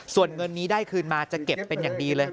ส่วนเงินนี้ได้คืนมาจะเก็บเป็นอย่างดีเลย